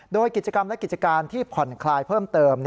โดยกิจกรรมและกิจการที่ผ่อนคลายเพิ่มเติม